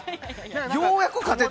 ようやく勝てた？